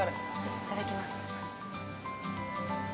いただきます。